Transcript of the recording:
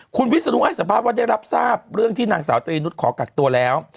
คุณวิศนุอาจจะรับทราบเรื่องที่นางสาวตรีนุษย์ขอกักตัวแล้ว